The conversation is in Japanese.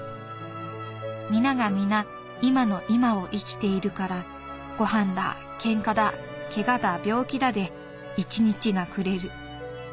皆が皆今の今を生きているからごはんだ喧嘩だケガだ病気だで一日が暮れる。